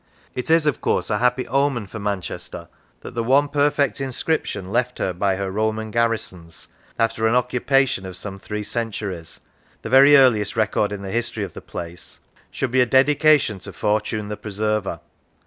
It is of course a happy omen for Man chester that the one perfect inscription left her by her Roman garrisons, after an occupation of some three centuries the very earliest record in the history of the place should be a dedication to Fortune the Preserver.